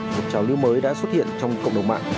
một trào lưu mới đã xuất hiện trong cộng đồng mạng